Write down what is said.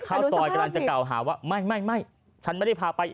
ข้าวซอยกำลังจะกล่าวหาว่าไม่ฉันไม่ได้พาไป